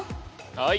はい。